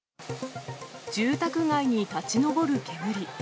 住宅街に立ち上る煙。